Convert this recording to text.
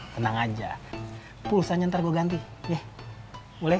tenang aja pulsanya ntar gue ganti yeh boleh